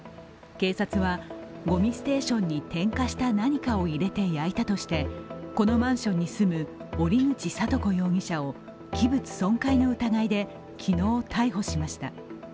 警察はごみステーションに点火した何かを入れて焼いたとして、このマンションに住む折口聡子容疑者を器物損壊の疑いで昨日、逮捕しました。